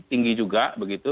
tinggi juga begitu